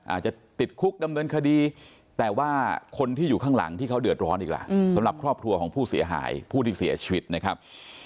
อาจจะติดคุกดำเนินคดีแต่ว่าคนที่อยู่ข้างหลังที่เขาเดือดร้อนอีกล่ะสำหรับครอบครัวของผู้เสียหายผู้ที่เสียชีวิตนะครับ